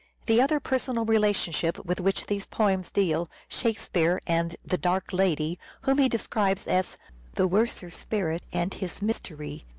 The other personal relationship with which these The poems Seal— " Shakespeare " and the " dark lady," whom he describes as the " worser spirit," and his mystery.